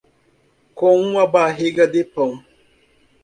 Com uma barriga de pão.